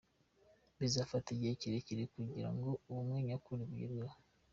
Bizafata igihe kirekire kugira ngo ubumwe nyakuri bugerweho.